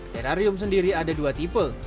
terarium sendiri ada dua tipe